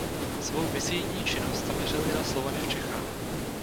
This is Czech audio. Svou misijní činnost zaměřil i na Slovany v Čechách.